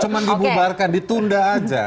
cuma dibubarkan ditunda aja